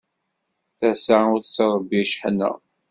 Tasa ur tettṛebbi cceḥna.